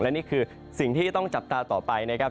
และนี่คือสิ่งที่ต้องจับตาต่อไปนะครับ